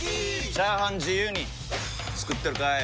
チャーハン自由に作ってるかい！？